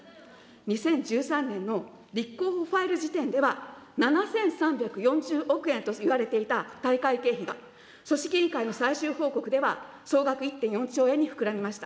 ２０１３年の立候補ファイル時点では、７３４０億円といわれていた大会経費が、組織委員会の最終報告では、総額１．４兆円に膨らみました。